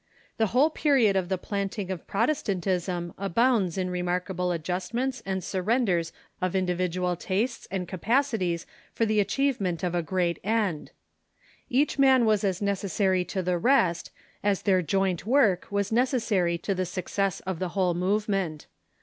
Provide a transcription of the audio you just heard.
The whole period of the Other Friends y,i_.^nting of Protestantism abounds in remarkable of Reform i » adjustments and surrenders of individual tastes and capacities for the achievement of a great end. Each man was as necessary to the rest as their joint work was necessary to the success of the whole movement.